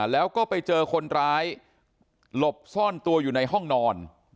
แล้วก็ไปเจอคนร้ายหลบซ่อนตัวอยู่ในห้องนอน